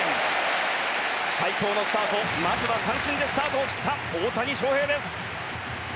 最高のスタート、まずは三振でスタートを切った大谷翔平です。